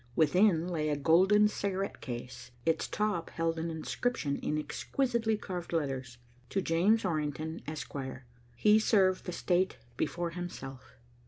Within lay a golden cigarette case. Its top held an inscription in exquisitely carved letters. "To James Orrington, Esquire. He served the State before Himself."